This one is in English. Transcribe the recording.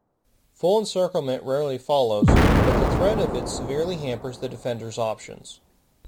Full encirclement rarely follows, but the threat of it severely hampers the defender's options.